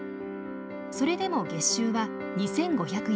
それでも月収は２，５００ユーロ。